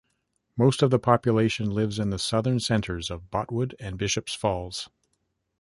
Most of the population lives in the southern centres of Botwood and Bishop's Falls.